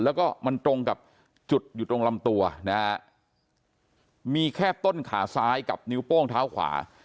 แล้วก็มันตรงกับจุดอยู่ตรงลำตัวนะฮะมีแค่ต้นขาซ้ายกับนิ้วโป้งเท้าขวา